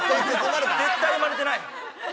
◆絶対生まれてない。